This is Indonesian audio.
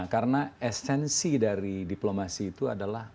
karena esensi dari diplomasi itu adalah